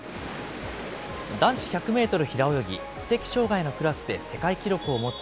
男子１００メートル平泳ぎ、知的障害のクラスで世界記録を持つ